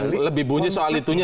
lebih bunyi soal itunya